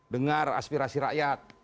dengar aspirasi rakyat